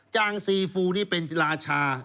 จางซีฟูนี่เป็นศิราชา